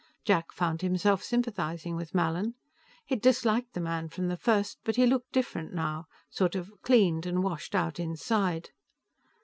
Jack found himself sympathizing with Mallin. He'd disliked the man from the first, but he looked different now sort of cleaned and washed out inside.